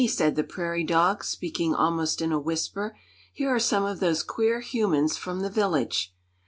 said the prairie dog, speaking almost in a whisper; "here are some of those queer humans from the village."